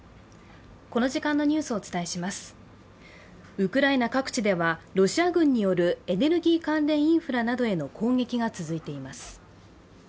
ウクライナ各地ではロシア軍によるエネルギー関連インフラなどへの攻撃が続いています。